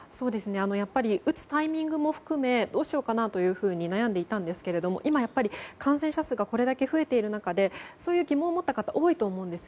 やっぱり打つタイミングも含めどうしようかなというふうに悩んでいたんですけれども今、やっぱり感染者数がこれだけ増えている中でそういう疑問を持った方は多いと思うんです。